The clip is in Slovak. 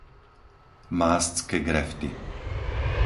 Mástske grefty